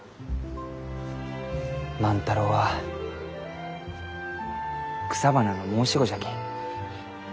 万太郎は草花の申し子じゃき。